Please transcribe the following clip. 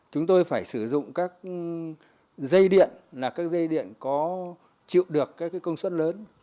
chúng tôi phải sử dụng các dây điện là các dây điện có chịu được các công suất lớn